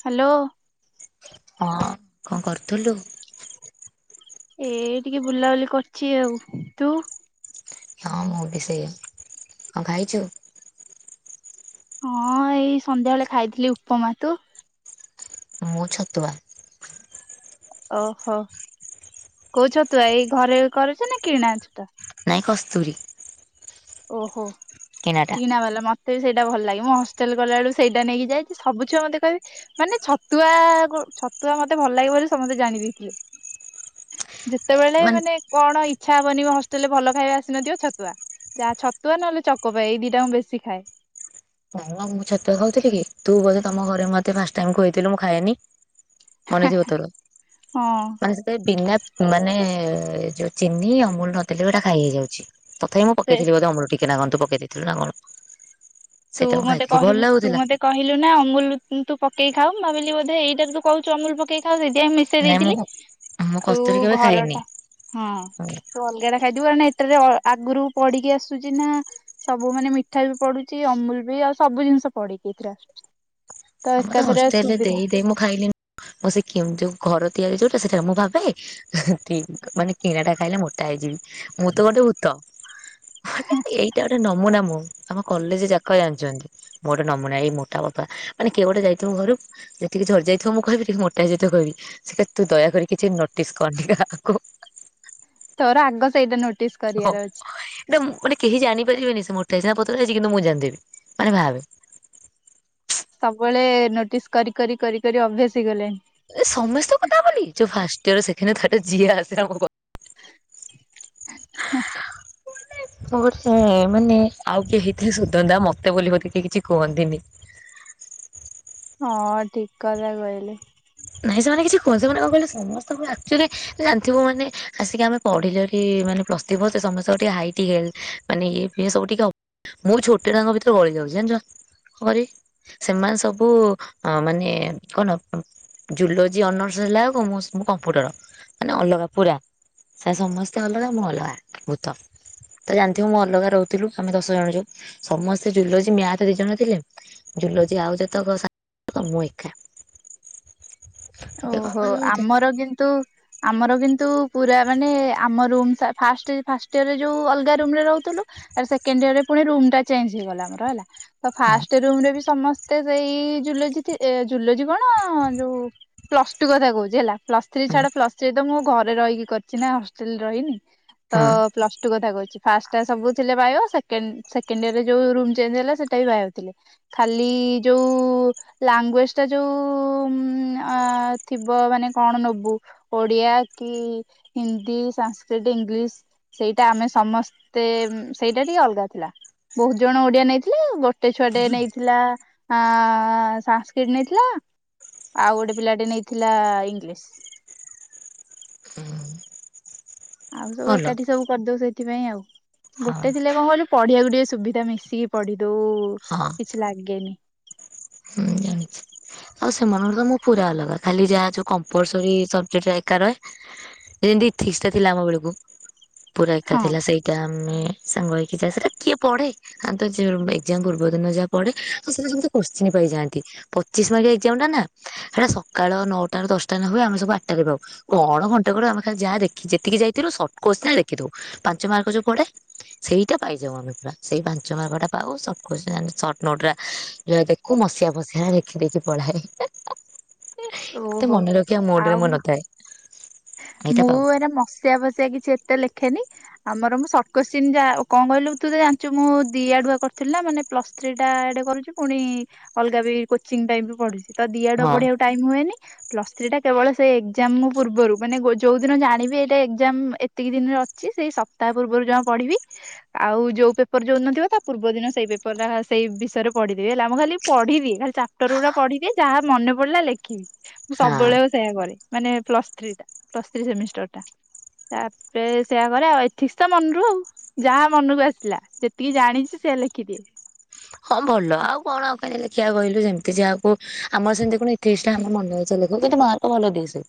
Hello. ହଁ, କଣ କରୁଥିଲୁ? ଏ ଟିକେ ବୁଲା, ବୁଲି କରୁଚି ଆଉ'। ତୁ? ହଁ ମୁଁ ବି ସେଇ, ଆଉ ଖାଇଛୁ? ହଁ ଏଇ ସନ୍ଧ୍ୟାବେଳେ, ଖାଇଥିଲି ଉପମା। ତୁ? ମୁଁ ଛତୁଆ। ଓ, ହୋ। କୋଉ ଛତୁଆ? ଏଇ ଘରେ କରୁଛନା କିଣା ଛତୁଆ? ନାଇଁ କସ୍ତୁରୀ। ଓ, ହୋ କିଣାଟା। କିଣାବାଲା ମ ମତେ ବି ସେଇଟା ଭଲ ଲାଗେ। ମୁଁ ହଷ୍ଟେଲ ଗଲା ବେଳକୁ, ସେଇଟା ନେଇକି ଯାଇଛି। ସବୁ ଛୁଆ ମତେ କହିବେ, ମାନେ ଛତୁଆ ଛତୁଆ ମତେ ଭଲ ଲାଗେ ବୋଲି, ସମସ୍ତେ ଜାଣି ଦେଇଥିଲେ। ଯେତେବେଳେ, ମାନେ କଣ ଇଚ୍ଛା ହବନି ମ ହଷ୍ଟେଲ ରେ, ଭଲ ଖାଇବା ଆସିନଥିବ, ଛତୁଆ। ଯାହା ଛତୁଆ ନହେଲେ, ଚକ ପାଏ ଏଇ ଦିଟା ମୁଁ ବେଶୀ ଖାଏ। ନାଇଁ ମ, ମୁଁ ଛତୁଆ ଖାଉଥିଲି କି? ତୁ ବୋଧେ ତମ ଘରେ, ମତେ ଫାଷ୍ଟ୍ ଟାଇମ୍, ଖୋଏଇ ଥିଲୁ ମୁଁ ଖାଏନି। ମନେଥିବ ତର, ହଁ ମାନେ ସେତ ବିନା ମାନେ ଏ, ଯୋଉ ଚିନି ଆମୂଲ ନଥିଲେ ଏଉଟା ଖାଇ ହେଇଯାଉଛି। ତଥାପି ମୁଁ ସେ ପକେଇଥିଲି, ବୋଧେ ଆମୂଲ ଟିକେ। କେନା ଗ ତୁ ପକେଇ ଦେଇଥିଲୁ ନା କଣ? ତୁ ସେଇଟା ମୁଁ ମତେ ଖାଇଥିଲି ଭଲ କହିଲୁ, ତୁ ଲାଗୁଥିଲା। ମତେ କହିଲୁ ନା, ଆମୂଲ ତୁ ପକେଇ ଖାଉ ଭାବିଲି ବୋଧେ, ଏଇଟା ତୁ କହୁଛୁ ଆମୂଲ ପକେଇ ଖାଉ, ସେଥିି ପାଇଁ ମିଶେଇ, ନାଇଁ ମୁଁ ଦେଇଥିଲି। ମୁଁ ତୁ କସ୍ତୁରୀ କେବେ ଘର ଖାଇନି। ଟା, ହଁ ଆଉ ତୁ ଅଲଗା ଟା ଖାଇଥିବୁ କି ନାଇଁ? ଟ୍ରିର, ଆଗରୁ ପଢିକି ଆସୁଛି ନା, ସବୁ ମାନେ ମିଠା ବି ପଡୁ ଚି। ଅମୁଲ ବି, ଆଉ ସବୁ ଜିନିଷ ପଡ଼ିକି ଏଥିରେ ଆସୁଛି। ଆମର ତ ଏକାଥରେ ହଷ୍ଟେଲରେ, ସୁବିଧା ଦେଇ ଦେଇ ମୁଁ ଖାଇଲି। ମୁ ସେଇ କେଉଁ-ଯଉ ଘର ତିଆରି ଯୋଉ ତ ସେଟାରେ ମୁଁ ଭାବେ, କି ମାନେ କିଣାଟା, ଖାଇଲେ ମୋଟା ହେଇଯିବି। ମୁଁ ତ ଗୋଟେ ଭୂତ। ଏଇଟା ଗୋଟେ ନ ନମୁନା ମୁଁ। ଆମ କଲେଜ ଯାକ ଜାଣିଛନ୍ତି। ମୁଁ ନମୁନା, ଏଇ ମୋଟା ବାପା ମାନେ କିଏ ଗୋଟେ ଯାଇଥିବ ଘରୁକୁ, ଯେତିକି ଝଡି ଯାଇଥିବ ମୁଁ କହିବି। ଯେତିକି ମୋଟା ଯାଇଥିବ କହିବି। ସେ ତୁ ଦୟାକରି କିଛି ନ ଡିସ୍କାଉଣ୍ଟିକ ଆକୁ ତୋର ଆଗ ସେଇଟା ନ ହଁ, ଏଇଟା ମୁଁ ମାନେ କେହି ଜାଣି ପାରିବେନି ସେ ମୋଟା ହେଇଛି ନା ପତଳା ହେଇଛି, କିନ୍ତୁ ମୁଁ ଜାଣିଦେବି ମାନେ ଭାବେ। ସବୁବେଳେ, ନୋଟିସ୍ କରି, କରି, କରି, କରି ଅଭ୍ୟାସ ହେଇ ଗଲେଣି। ଏ ସମସ୍ତେ କଥା ବୋଲି, ଯୋଉ first year second year third year ଯିଏ ଆସିଲା ଆମ ହ [unintelligible] ମୁଁ ବୋଲି, ସେ ମାନେ ଆଉ କିଏ ହେଇଥିଲେ, ସଦନ୍ତା, ମତେ ବୋଲି ବୋଧେ କେଇ କିଛି କୁହନ୍ତିନି। ହଁ ଠିକ୍ କଥା କହିଲେ। ନାଇଁ ସେମାନେ କିଛି କୁହନ୍ତି ମାନେ, କଣ କହିଲୁ ସମସ୍ତଙ୍କୁ ଆକ୍ଚୁଆଲି ଜାଣିଥିବୁ ମାନେ ଆସିକି ଆମେ ପଢିଲୁ କି ମା ମୁଁ ଯେତେବେଳ ପ୍ଲଷଥ୍ରୀ ପଢୁଥିଲି ସମସ୍ତଙ୍କୁ ଟିକେ ହାଇଟି ହେଲି ମାନେ ଇଏ ଫିଏ ସବୁ ଟିକେ ମୁଁ ଛୋଟିଆଟା ଟାଙ୍କ ଭିତରେ, ଗଳି ଯାଉଛି ଜାଣିଛ। କରି, ସେମାନେ ସବୁ ମାନେ କଣ ଜୁଲୋଜି ଅନର୍ସ ନେଲା ବେଳକୁ ମୁଁ ସବ୍ କମ୍ପ୍ୟୁଟର, ମାନେ ଅଲଗା ପୁରା। ସେ ସମସ୍ତେ ଅଲଗା, ମୁଁ ଅଲଗା ଭୂତ। ତ ଜାଣିଥିବ ମୁଁ ଅଲଗା ରହୁଥିଲୁ। ଆମେ ଦଶ ଜଣ, ଯୋଉ ସମସ୍ତେ ଜୁଲଜି, ମ୍ୟାଥ ଦି ଜଣ ଥିଲେ। ଜୁଲଜି ଆଉ ଯେତେକ ସା- ତ ମୁଁ ଏକା। କଣ ଓହୋ, କହିବ ମତେ ଆମର କିନ୍ତୁ ଆମର କିନ୍ତୁ ପୁରା ମାନେ ଆମ ରୁମ୍ ପା-ଫାଷ୍ଟ, ଫାଷ୍ଟ ଇୟରରେ ଯେଉଁ ଅଲଗା ରୁମରେ ରହୁଥିଲୁ ତାର ସେକେଣ୍ଡ ଇୟର ରେ, ପୁଣି ରୁମ ଟା ଚେଞ୍ ହେଇଗଲା। ଆମର ହେଲା। ତ ହଁ ଫାଷ୍ଟ ରୁମରେ ବି ସମସ୍ତେ ସେଇ ଜୁଲୋଜି, ଥି-ଜୁଲୋଜି କଣ ଯୋଉ ପ୍ଲସ ଟୁ କଥା କହୁଛି ହେଲା, ପ୍ଲସ୍ ଥ୍ରୀ ହଁ ଛାଡା, ପ୍ଲସ୍ ଥ୍ରୀ ତ ମୁଁ ଘରେ ରହିକି କରିଛି ନା, ହଷ୍ଟେଲରେ ରହିନି। ତ ହଁ ପ୍ଲସ ଟୁ କଥା କହୁଛି। ଫାଷ୍ଟ ଟା ସବୁ ଥିଲେ ବାୟୋ ସେକେନ ସେକେଣ୍ଡ ଇୟରରେ ଯୋଉ ରୁମ ଚେଞ୍ଜ ହେଲା ସେଇଟା ବି ବାୟୋ ଥିଲା ଖାଲି ଇ ଯୋଉ ଲାଙ୍ଗୁଏଜ ଟା ଯୋଉ ଉଁ ଅ ଥିବ ମାନେ କଣ ନବୁ ଓଡିଆ କି ହିନ୍ଦୀ, ସାଂସ୍କ୍ରିଟ, ଇଂ ଗ୍ଲିସ ସେଇଟା ଆମେ ସମସ୍ତେ ଉଁ ସେଇଟା ଟିକେ ଅଲଗା ଥିଲା। ବହୁତ ଜଣ ଓଡିଆ ନେଇଥିଲେ ଗୋ ଟେ ଛୁଆଟେ ନେଇଥିଲା ଆଁ ସାଂସ୍କ୍ରିଟ ନେଇଥିଲା ଆଉ ଗୋଟେ ପିଲାଟେ ନେଇଥିଲା ଇଂଲିଶ। ଆଉ ସବୁ ଭଲ ଏକାଠି ସବୁ କରିଦଉ ସେଇଥିପାଇଁ ଆଉ। ହଁ ଗୋଟେ ଥିଲେ କଣ କହିଲୁ ପଢଆକୁ ଟିକେ ସୁବିଧା ମିଶିକି ପଢି ଦଉ ହଁ କିଛି ଲାଗେନି। ହୁଁ ଜାଣିଛି। ଆଉ ସେମାନଙ୍କଠୁ ତ ମୁଁ ପୁରା ଅଲଗା ଖାଲି ଯାହା ଯୋଉ କମ୍ପଲସରି ସବଜେକ୍ଟ ଏକା ରହେ। ଯେମତି ଏଥିକ୍ସିଟା ଥିଲା ଆମ ବେଳକୁ ପୁରା ଏକା ହଁ। ଥିଲା ସେଇଟା ଆମେ ସାଙ୍ଗ ହେଇକି ଯାଉ ସେତେରେ କିଏ ପଢେ ଖାଲି ତ ଜ ଏକ୍ଜାମ ପୂର୍ବ ଦିନ ଯାହା ପଢେ ସ ସେଇଟା ସେମିତି କୋସ ସ୍ଚିନ ପାଇଯାଆନ୍ତି ପଚିଶି ମାର୍କିଆ ଏକ୍ଜାମ ଟା ନା ହେଇଟା ସକାଳ ନଅଟାରୁ ଦଶଟା ନେ ହୁଏ ଆମେ ସବୁ ଆଠଟାରେ ବ କଣ ଘଣ୍ଟେ ଖଡେ ଆମେ ଖାଲି ଯାହା ଦେଖି ଯେତିକି ଯାଇଥିଲୁ ସଟ କୋଶ୍ଚେନ୍ ଲେଖିଦେଉ ପାଞ୍ଚ ମାର୍କ ଯୋଉ ପଡେ। ସେଇଟା ପାଇ ଯାଉ ଆମେ ପୁରା ସେଇ ପାଞ୍ଚ ମାର୍କଟା ପାଉ short question and short note ଆ ଯାହା ଦେ କୁ ମସିଆ ଫସିଆ ଲେଖି ଦେଇକି ପଳାଏ ଏ ଆ। ଏ ଏତେ ଓହୋ ମନେ ରଖିଆ ମୁଡ୍ ରେ ଆଉ ମୁଁ ନଥାଏ। ଏଇଟା ମୁଁ ପାଉ ଏଇରା ମସିଆ ଫସିଆ କିଛି ଏତେ ଲେଖେ ଖେନି ଆମର ମୁଁ ସର୍ଟ କୋଶ୍ଚିନ ଯାହା ଅ କଣ କହିଲୁ ତୁ ତ ଜାଣିଚୁ ମୁଁ ଦି ଆଡୁଆ କରୁଥିଲି ନା ମାନେ ପ୍ଲସ ଥ୍ରୀ ଟା ଆଡେ କରୁଚି ପୁଣି ଅଲଗା ବି କୋଚିଂ ଟାଇମରୁ ପଢୁଚି। ତ ଦି ଆଡ ହଁ ପଢିଆକୁ ଟାଇମ ହୁଏନି ପ୍ଲସ ଥ୍ରୀ ଟା କେବଳ ସେ ଏକ୍ଜାମ ପୂର୍ବରୁ ମାନେ ଗୋ ଯୋଉ ଦିନ ଜାଣିବି ଏଇଟା ଏକ୍ଜାମ ଏତିକି ଦିନରେ ଅଛି ସେଇ ସପ୍ତାହ ପୂର୍ବରୁ ଯମା ପଢିବି। ଆ ଆଉ ଯୋଉ ପେପର ଯୋଉ ଦିନ ଥିବ ତା ପୂର୍ବ ଦିନ ସେଇ ପେପର ଟା ହା ସେଇ ବିଷୟରେ ପଢି ଥିବି ହେଲା ମୁଁ ଖାଲି ପଢ଼ି ଦିଏ ଖାଲି ଚାପ୍ଟର ଗୁଡା ପଢିବି ଯାହା ମନେ ପଡିଲା ଲେଖିବି। ମୁଁ ସବୁବେଳେ ହଁ ସେୟା କରେ ମାନେ ପ୍ଲସ ଥ୍ରୀ ଟା ପ୍ଲସ ଥ୍ରୀ ସେମିଷ୍ଟର ଟା। ତାପରେ ସେଇଆ କରେ ଆଉ ଏଥିକ୍ସ ତ ମନରୁ ଆଉ। ଯାହା ମନକୁ ଆସିଲା ଯେତିକି ଜାଣିଛି ସେ ଇଆ ଲେଖି ଦିଏ। ହଁ ଭଲ ଆଉ କଣ ଆଉ କେମତି ଲେଖିଆ କହିଲୁ ଯେମତି ଯାହାକୁ ଆମର ସେମତି କଣ ଏଥିକ୍ସ ଟା ଆମ ମନ ଇଚ୍ଛା ଲେ ଖୁ କିନ୍ତୁ ମାର୍କ ଭଲ ଦିଏ ସେ।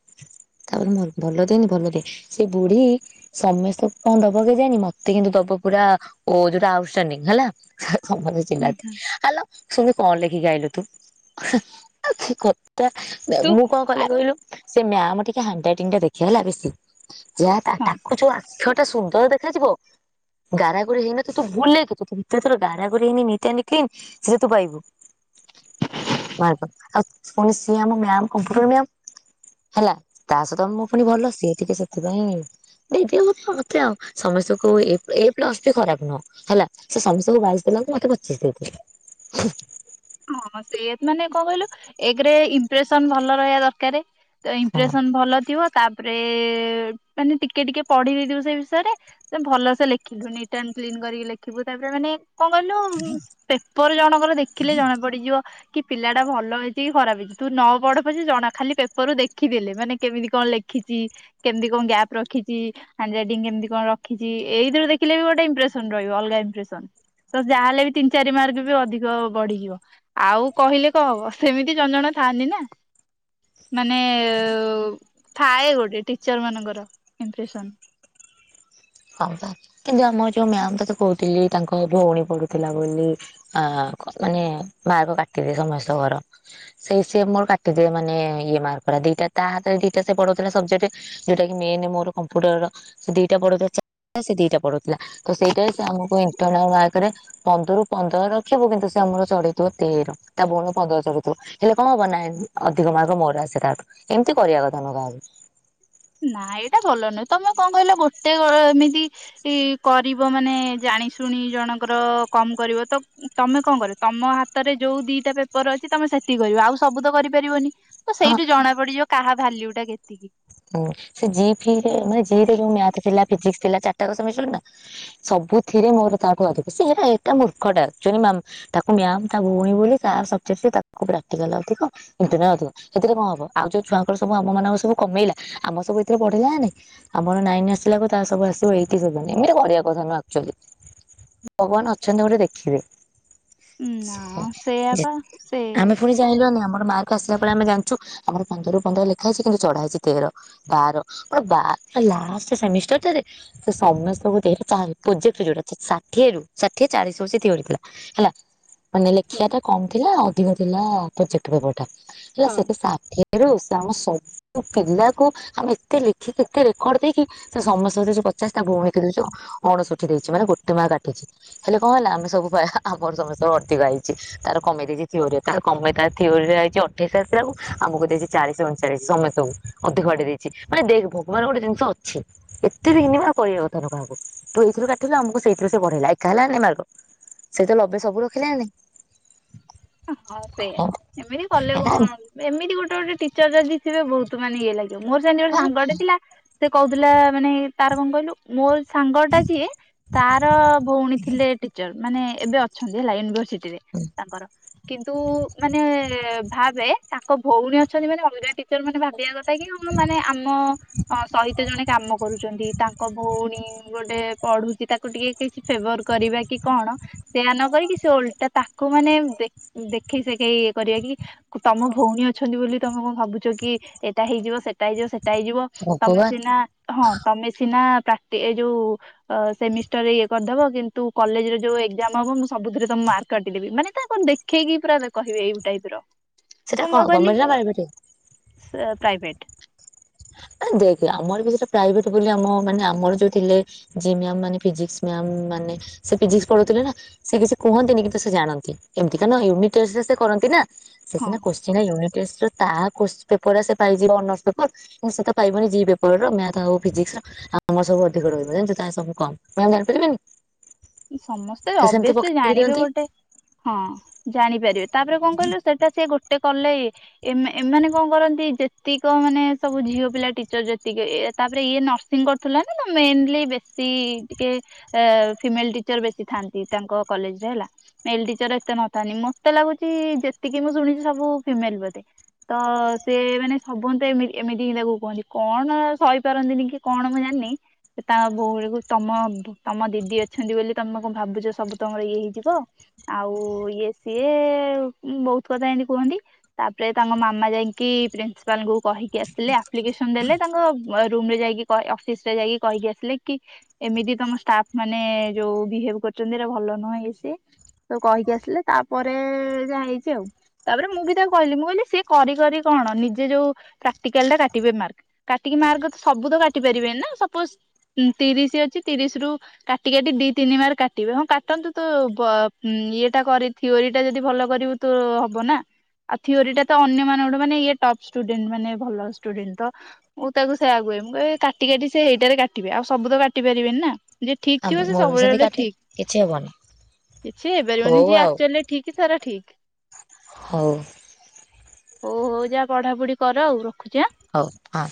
ତାପରେ କିନ୍ତୁ ଭଲ ଭଲ ଦିଏନି ଭଲ ଦିଏ। ସେ ବୁଢୀ ସମେସ୍ତେ କଣ ଦବ କେଜାଣି ମତେ କିନ୍ତୁ ଦବ। ପୁରା ଓ ଯୋଉଟା ଆଉଟଷ୍ଟାଣ୍ଡିଂ ହେଲା ହ ସମ ସମ ହୁଁ ଚିଲାତି ହୁଁ ଆଲୋ ସୁମି କଣ ଲେଖିକି ଆଇଲୁ ତୁ। ହେଁ ଆଉ କି କ ତା ଆ ତୁ ମୁଁ କଣ କଲେ ଆ କହିଲୁ ସେ ମ୍ୟାମ ଟିକେ ହାଣ୍ଡରାଇଟିଂ ଟା ଦେଖେ ହେଲା ବେଶୀ। ଯାହା ତା ହଁ। ତାକୁ ଯୋଉ ଆକ୍ଷ ଟା ସୁନ୍ଦର ଦେଖାଯିବ। ଗାରା ଗୋରି ହେଇ ନ ଥି ତୁ ଭୁଲ ରେ କିଛି [unintelligible] ଭିତରେ ତୋର ଗାରା ଗରି ହେଇନି ନି ଟି ଆନି କ୍ଲିନ ସେ ତୁ ପାଇବୁ। ମାର୍କ ଆଉ ପୁଣି ସିଏ ଆମ ମ୍ୟାମ କମ୍ପୁଟର ମ୍ୟାମ ହେଲା। ତା ସହିତ ମୁଁ ପୁଣି ଭଲ ସିଏ ଟିକେ ସେଥିପାଇଁ ଦେଇ ଦିଏ ମ ତ ମତେ ଆଉ ସମସ୍ତଙ୍କୁ ଏ ଏ ପ୍ଲସ ବି ଖରାପ ନୁହଁ ହେଲା ସେ ସମସ୍ତଙ୍କୁ ବାଇଶି ଦେଲା ବେଳକୁ ମତେ ପ ଚିଶି ଦେଇ ଦିଏ ହୁଁ। ହଁ ସେଇ ମାନେ କଣ କହିଲୁ ଏକେରେ ଇମ୍ପ୍ରେସନ ଭଲ ରହିଆ ଦରକାରେ। ତ ହଁ ଇମ୍ପ୍ରେସନ ଭଲ ଥିବ। ତାପରେ ମାନେ ଟିକେ ଟିକେ ପଢି ଦେଇଥିବୁ ସେଇ ବିଷୟରେ ସେ ଭଲସେ ଲେଖିଲୁ ନିଟ ଆଣ୍ଡ କ୍ଲିନ କରିକି ଲେଖିବୁ ତାପରେ ମାନେ କଣ କହିଲୁ ଉଁ ପେପର ଜଣଙ୍କର ଦେଖିଲେ ଜଣା ବ କି ପିଲା ଟା ଭଲ ହେଇଛି କି ଖରାପ ହେଇଛି ତୁ ନ ପଢ ପଛେ ଜଣା ଖାଲି ପେପରରୁୁ ଦେଖିଦେଲେ ମାନେ କେମିତି କଣ ଲେଖିଛି କେମିତି କଣ ଗ୍ୟାପ ରଖିଛି ହାଣ୍ଡରାଇଟିଂ କେମିତି କଣ ରଖିଛି ଏଇ ଥିରେ ଦେଖିଲେ ବି ଗ ଗୋଟେ ଇମ୍ପ୍ରେସନ ରହିବ ଅଲଗା ଇମ୍ପ୍ରେସନ। ତ ଯାହା ହେଲେ ବି ତିନି ଚାରି ମାର୍କ ବି ଅଧିକ ବଢିଯିବ। ଆଉ କହିଲେ କଣ ହବ ସେମିତି ଜଣ ଜଣେ ଥାଆନ୍ତି ନା। ମାନେ ଥାଏ ଗୋଟେ ଟିଚର ମାନଙ୍କର ଇମ୍ପ୍ରେସନ୍। ହଁ ହଁ ବା କିନ୍ତୁ ଆମର ଯୋଉ ମ୍ୟାମ୍ ତତେ କଉତିଲି ତାଙ୍କ ଭଉଣୀ ପଡୁଥିଲା ବୋଲି ଆ ମାନେ ମାର୍କ କାଟିଦିଏ ସମସ୍ତଙ୍କର ସେଇ ସିଏ ମୋର କାଟିଦିଏ ମାନେ ଇଏ ମାର୍କ। ଦିଟା ତା ହାତରେ ଦିଟା ସେ ପଢଉଥିଲା ସବଜେଟ୍ ଯୋଉଟା କି ମେନେ ମୋର କମ୍ପ୍ୟୁଟର ର ସେ ଦିଟା ପଢ଼ଉଥି ସେ ଦିଟା ପଢଉଥିଲା ତ ସେଇଟାରେ ସିଏ ଆମକୁ ଇଣ୍ଟରନାଲ୍ ମାର୍କ ରେ ପନ୍ଦରରୁ ପନ୍ଦର ରଖିବୁ କି ନ୍ତୁ ସିଏ ଆମର ଚଢେଇଥିବ ତେର ତା ଭଉଣ ପନ୍ଦର ଚଢିଥିବ ହେଲେ କଣ ହବ ନାଇଁ ଅଧିକ ମାର୍ଗ ମୋର ଆସେ ତା ଠୁ। ଏମିତି କରିବା କଥା ନୁହଁ କାହାକୁ। ହଁ ନା ଏଇଟା ଭଲ ନୁହେଁ ତମୁ କଣ କଇଲ ଗୋଟେ ଏମିତି କରିବ ମାନେ ଜା ଜାଣି ଶୁଣି ଜଣଙ୍କର କମ୍ କରିବ ତ ତମେ କଣ କରିବ ତମ ହାତରେ ଯୋଉ ଦିଟା ପେପର ଅଛି ତମେ ସେତିକି କରିବ ଆଉ ସବୁ ତ କରିପାରିବନି ତ ସେଇଟୁ ଜଣା ପଡିଯିବ କାହା ଭାଲ୍ୟୁ ଟା କେତିକି। ହୁଁ ସେ ଜି ଫି ରେ ମାନେ ଜି ରେ ଯଉ ମ୍ୟାଥ ଥିଲା ଫିଜିକ୍ସ ଥିଲା ଚାରିଟା [unintelligible] ସବୁ ଥିରେ ମୋର ତାଠୁ ଅଧିକ ସିଏ ହେରା ଏଟା ମୂର୍ଖଟା ଅକ୍ଚୁଲୀ ମାମ୍ ତାକୁ ମ୍ୟାମ୍ ତା ଭଉଣୀ ବୋଲି ତାର ସବଜେଟ୍ ରେ ତାକୁ ପ୍ରାକ୍ଟିକାଲ ଅଧିକ ଇଣ୍ଟରନାଲ ଅଧିକ ସେଥିରେ କଣ ହବ ଆଉ ଯଉଛୁଆଙ୍କର ସବୁ ଆମ ମାନଙ୍କର ସବୁ କମେଇଲା। ଆମ ସବୁ ଏଥିରେ ବଢ଼ିଲା ନା ନାଇଁ ଆମର ନାଇନ ଆସିଲାକୁ ତା ସବୁ ଆସିବ ଏଇଟି ସବୁ ଏମିତି କରିବା କଥା ନୁଅ ଆକ୍ [unintelligible] ଭଗବାନ ଅଛନ୍ତି ଗୋଟେ ଦେଖିବେ। ନା ସେଇଆ ସେଇଆ ଯେ ପା ସେ ଆମେ ଫୁଣି ଜଇଁଲୁନା ନାଇଁ ଆମର ମା ର୍କ ଆସିଲା ବେଳେ ଆମେ ଜାଣିଚୁ ଆମର ପନ୍ଦରରୁ ପନ୍ଦର ଲେଖା ହେଇଚି କିନ୍ତୁ ଚଢା ହେଇଚି ତେର। ବାର ମୋର ବାର ଲାଷ୍ଟ ସେମିଷ୍ଟାର୍ ଟାରେ ସେ ସମସ୍ତଙ୍କୁ ଦେଇଥିଲେ ଚାରି ପୋଜେ [unintelligible] ଷାଠିଏ ରୁ ଷାଠିଏ ଚାଳିିଶ ହଉଚି ଥିଓରୀ ଥିଲା ହେଲା। ମାନେ ହଁ ଲେଖିବା ଟା କମ୍ ଥିଲା ଅଧିକ ଥିଲା ପୋଜେକ୍ଟ ପେପର୍ ଟା ହେଲା ହଁ ସେ ଷାଠିଏ ରୁ ସେ ଆମ ସବୁ ପିଲା କୁ ଆମେ ଏତେ ଲେଖିକି ଏତେ ରେକର୍ଡ ଦେଇକି ସେ ସମସ୍ତ ଙ୍କୁ ଦେଇଚି ପଚାଶ ତା ଭଉଣୀ ଦଉଚି ଅଣଷଠି ଦେ ଇଚି ମାନେ ଗୋଟେ ମାର୍କ କାଟିଚି ହେଲେ କଣ ହେଲା ଆମେ ସବୁ [unintelligible] ଆମର ସମସ୍ତଙ୍କର ଅଧିକ ଆଇଚି ତାର କମେଇ ଦେଇଚି ଥିଓରି ରେ ତାର କମେ ତାର ଥିଓରି ରେ ଆଇଚି ଅଠେଇଶ ଆସିଲାକୁ ଆମକୁ ଦେଇଚି ଚାଳିଶି ଅଣଚାଳିଶ ସମସ୍ତେଙ୍କୁ। ଅଧିକ ବାଡି ଦେଇଚି ମାନେ ଦେଖ ଭଗବାନ ଗୋଟେ ଜିନିଷ ଅଛି ଏତେ ବି ହିନିମା କରିବା କଥା ନୁହଁ କାହାକୁ ତୁଇ ସେଥିରୁ କାଟିଲୁ ଆମକୁ ସେଇଥିରୁ ସେ ବଢେଇଲା ଏକା ହେଲାନି ମାର୍ଗ ସେ ତ ଲବେ ସବୁ ରଖିଲେନାନାଇଁ। ହଁ ସେଇୟା ଏମିତି କଲେ କଣ ଆରେ ଏମିତି ଗୋଟେ ଗୋଟେ ଟି ଚର୍ ଯଦି ଥିବେ ବହୁତ ମାନେ ଇଏ ଲାଗିବ ମୋର ସେମିତି ଗୋଟେ ସାଙ୍ଗଟେ ଥିଲା ସେ କଉଥିଲା ମାନେ ତାର କଣ କଇଲୁ ମୋର ସାଙ୍ଗ ଟା ଯିଏ ତାର ଭଉଣୀ ଥିଲେ ଟିଚର ମାନେ ଏବେ ଅଛନ୍ତି ହେଲା ୟୁନିଭରସିଟି ରେ ତାଙ୍କର କିନ୍ତୁ ମାନେ ଭାବେ ତା ଭଉଣୀ ଅଛନ୍ତି ମାନେ ଅଲଗା ଟିଚର ମାନେ ଭାବିବାକ ଥା କି କଣ ମାନେ ଆମ ସହିତ ଜଣେ କାମ କରୁଚନ୍ତି ତାଙ୍କ ଭଉଣୀ ଗୋଟେ ପଢୁଚି ତାକୁ ଟିକେ କିଛି ଫେଭର କରିବା କି କଣ? ସେୟା ନକରିକି ସେ ଓଲଟା ତାକୁ ମାନେ ଦେ ଦେଖେଇ ସେଖେଇ ଇ କରିବା କି ତମ ଭଉଣୀ ଅଛନ୍ତି ବୋଲି ତମେ କଣ ଭାବୁଚ କି ଏଇଟା ହେଇଯିବ ସେଟା ହେଇଯିବ ସେଟା ହେଇଯିବ ତମେ ଭଗବାନ ସିନା ହଁ ତମେ ସିନା କାଟେ ଏ ଯୋଉ ଅ ସେମିଷ୍ଟର ରେ ଇଏ କରିଦବ କିନ୍ତୁ କଲେଜର ଯୋଉ ଏଗଜାମ ହବ ମୁଁ ସବୁଥିରେ ତମ୍ ମାର୍କ କାଟିଦେବି ମାନେ ତା କଣ ଦେଖେଇକି ପୁରା କହିବେ ଏଇଟାଇପର। ସେଟା କଣ ଗମେଟ୍ ନା ପ୍ରାଇଭେଟ୍? ସ ପ୍ରାଇଭେଟ୍। ଦେଖ ଆମର ବି ସେଟା ପ୍ରାଇଭେଟ ବୋଲି ଆମ ମାନେ ଆମର ଯୋଉ ଥିଲେ ଜି ମ୍ୟାମ୍ ମାନେ ପିଜିକ୍ସ ମ୍ୟାମ୍ ମାନେ ସେ ଫିଜିକ୍ସ ପଢଉଥିଲେ ନା ସେ କିଛି କୁହନ୍ତିନି କିନ୍ତୁ ସେ ଜାଣନ୍ତି ଏମିତି କା ନ ୟୁନିଟେଷ୍ଟ ରେ ସେ କରନ୍ତି ନା। ସେ ହଁ ସିନା କୋଶ୍ଚିନ୍ ରା ୟୁନିଟେଷ୍ଟ ରେ ତା କୋଶ୍ ପେପର ରା ସେ ପାଇଯିବ ଅନର୍ଶ ପେପର। ମୁଁ ସେ ତ ପାଇବନି ଜି ପେପର ର ମ୍ୟାଥ ଆଉ ଫିଜିକ୍ସ ର ଆମର ସବୁ ଅଧିକ ରହିବ ଜାଣିଚୁ ତାର ସବୁ କମ୍ [unintelligible] ଉଁ। ସମସ୍ତେ ଅବିଅସଲି ଜାଣିବେ ଦିଅନ୍ତି। ଗୋଟେ ହଁ ଜାଣିପାରିବେ। ତାପରେ କଣ କଇଲୁ ସେଟା ସିଏ ଗୋ ଟେ କଲେ ଇଏ ଏ-ଏମାନେ କଣ କରନ୍ତି ଯେତିକ ମାନେ ସବୁ ଝିଅ ପିଲା ଟିଚର ଯେତିକି ଏ ତାପରେ ଇଏ ନର୍ସିଂ କରୁଥିଲା ନା ତ ମେନଲି ବେଶୀ ଟିକେ ଏ ଫିମେଲ ଟିଚର ବେଶୀ ଥାନ୍ତି ତାଙ୍କ କଲେଜରେ ହେଲା, ମେଲ ଟିଚର ଏତେ ନଥାନ୍ତି ମତେ ଲାଗୁଚି ଯେ ତିକି ମୁଁ ଶୁଣିଛି ସବୁ ଫିମେଲ ବୋଧେ। ତ ସେ ମାନେ ସବୁନ୍ତ ଏମିତି ହିଁ ତାକୁ କୁହନ୍ତି କଣ ସହିପାରନ୍ତିନି କି କଣ ମୁଁ ଜାଣ ନି ସେ ତା ଭୋଉଣୀକୁ ତମ ତମ ଦିଦି ଅ ଅଛନ୍ତି ବୋଲି ତମେ କଣ ଭାବୁଛ ସବୁ ତମର ଇଏ ହେଇଯିବ ଆଉ ଇଏ ସିଏ ବ ହୁତ୍ କଥା ଏମତି କୁହନ୍ତି, ତାପରେ ତାଙ୍କ ମାମା ଯାଇକି ପ୍ରିନ୍ସିପାଲଙ୍କୁୁ କହିକି ଆସିଲ ଆପ୍ଲିକେସନ ଦେଲେ ତାଙ୍କ ରୁମରେ ଯାଇକି ଅଫିସରେ ଯାଇକି କହିକି ଆସିଲେ କି ଏମିତି ତମ ଷ୍ଟାଫ୍ ମାନେ ମାନେ ଯୋଉ ବିହେଭ କରିଛନ୍ତି ଭଲ ନୁହେଁ ଇଏ ସିଏ, ତ କହିକି ଆସିଲେ ତାପରେ ଯା ହେଇଛି ଆଉ। ତାପରେ ମୁଁ ବି ତାକୁ କହିଲି ମୁଁ କହିଲି ସି କରି କରି କଣ ନିଜେ ଯୋଉ ପ୍ରାକ୍ଟିକାଲ ଟା କାଟିବେ ମାର୍କ। ମାର୍କ ତ ସବୁ ତ କାଟି ପାରିବେନି ନା ସପୋଜ ତିରିଶ ଅଛି ତିରିଶ ରୁ କାଟି କାଟି ଦିଇ ତିନି ମାର୍କ କାଟିବେ ହଁ କାଟନ୍ତୁ ତ ବ ଇଏଟା କରି ଥିଓରିଟା ଯଦି ଭଲ କରିବ ତ ହବ ନା। ଆଉ ଥିଓରିଟା ତ ଅନ୍ୟମାଙ୍କଠୁ ମାନେ ଇଏ ଟପ୍ ଷ୍ଟୁଡେଣ୍ଟ ମାନେ ଭଲ ଷ୍ଟୁଡେଣ୍ଟ ତ ମୁଁ ତାକୁ ସେଇଆ କୁହେ। କ ମୁଁ କହ କାଟି କାଟି ସେଇଟାରେ କାଟିବେ ଆଉବୁ ତ କାଟି ପାରିବେନି ନା ଯେ ଠିକ ଥିବ ଆମର ସେ ମୋର ବି ସେମିତି ସବୁବେଳେ କାଟେ ଠିକ। କିଛି ହବନି କିଛି ହେଇପାରିବନି ହଉ ଯିଏ ଆଉ ଆକଚୁଆଲି ଠିକି ସେରା ଠିକି। ହଉ। ହଉ ହଉ ଯା ପଢାପଢି କର ଆଉ ରଖୁଛି ଆଁ। ହଉ ହଁ।